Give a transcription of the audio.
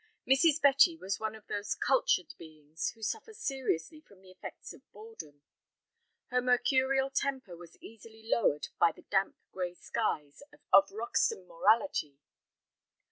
Mrs. Betty was one of those cultured beings who suffer seriously from the effects of boredom. Her mercurial temper was easily lowered by the damp, gray skies of Roxton morality.